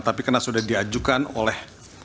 tapi karena sudah diajukan oleh